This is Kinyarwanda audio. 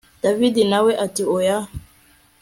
david nawe ati hoya